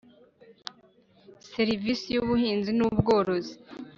serivise y,ubuhinzi n,ubworozi